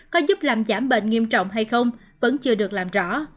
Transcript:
có giúp làm giảm bệnh nghiêm trọng hay không vẫn chưa được làm rõ